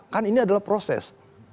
kan ini adalah proses